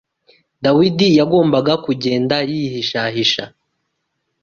Dawidi yagombaga kugenda yihishahisha